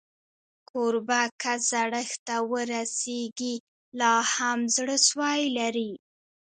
کوربه که زړښت ته ورسېږي، لا هم زړهسوی لري.